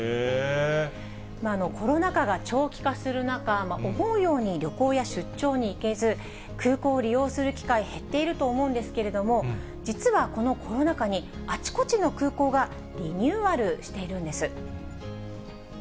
コロナ禍が長期化する中、思うように旅行や出張に行けず、空港を利用する機会、減っていると思うんですけれども、実はこのコロナ禍に、あちこちの空港がリニューアルしているんです。